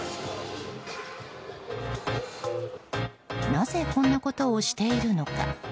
なぜこんなことをしているのか。